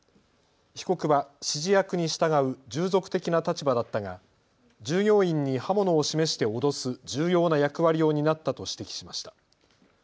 被告は指示役に従う従属的な立場だったが従業員に刃物を示して脅す重要な役割を担ったと指摘しました。